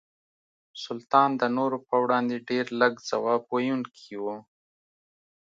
سلطان د نورو په وړاندې ډېر لږ ځواب ویونکي وو.